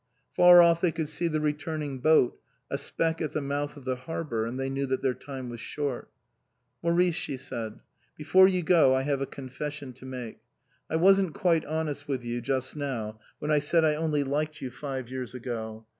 Far off they could see the returning boat, a speck at the mouth of the harbour, and they knew that their time was short. " Maurice," she said, " before you go I have a confession to make. I wasn't quite honest with you just now when I said I only liked you five years ago.